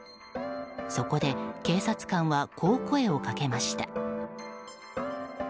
そこで、警察官はこう声をかけました。